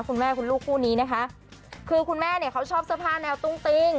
คุณแม่คุณลูกคู่นี้นะคะคือคุณแม่เนี่ยเขาชอบเสื้อผ้าแนวตุ้งติ้ง